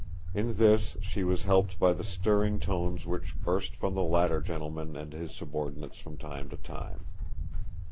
In this she was helped by the stirring tones which burst from the latter gentleman and his subordinates from time to time.